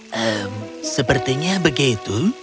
hmm sepertinya begitu